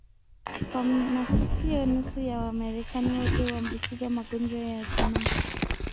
kwa makisio nusu ya Wamarekani wote huambukizwa magonjwa ya zinaa